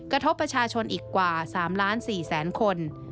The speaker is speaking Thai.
กระทบประชาชนอีกกว่า๓ล้าน๔แสนคน